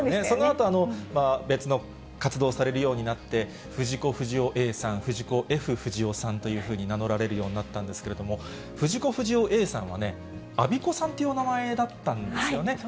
そのあと、別の活動されるようになって、藤子不二雄Ａさん、藤子・Ｆ・不二雄さんというふうに名乗られるようになったんですけれども、藤子不二雄Ａさんはね、安孫子さんというお名前だったんですよね。